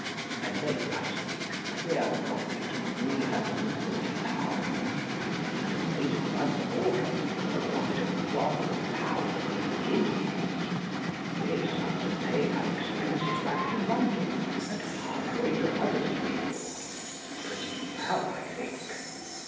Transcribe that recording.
I made last week clear profit, .4*340 ; and have made in the month of August, a profit of one Thousand Guineas ! This, after paying our expenses back to London, and halfway to Huddersfield. Pretty well, I think?